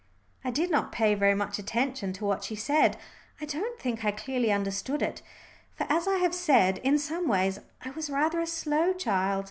I did not pay very much attention to what she said. I don't think I clearly understood it, for, as I have said, in some ways I was rather a slow child.